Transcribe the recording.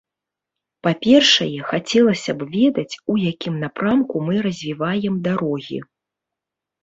Па-першае, хацелася б ведаць, у якім напрамку мы развіваем дарогі.